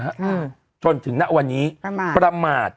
มีจนถึงหน้าวันนี้ประหมาด